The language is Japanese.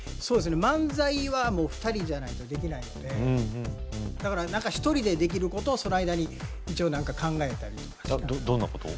漫才は２人じゃないとできないのでだから何か１人でできることをその間に一応何か考えたりとかどんなことを？